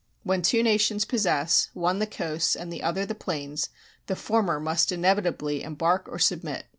... When two nations possess, one the coasts and the other the plains, the former must inevitably embark or submit.